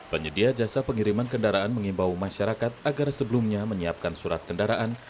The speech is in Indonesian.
penyedia jasa pengiriman kendaraan mengimbau masyarakat agar sebelumnya menyiapkan surat kendaraan